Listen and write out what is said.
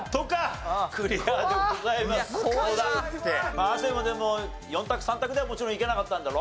まあ亜生もでも４択３択ではもちろんいけなかったんだろ？